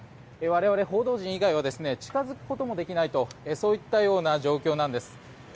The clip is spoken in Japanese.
我々、報道陣以外は近付くこともできないとそういったような状況なんです。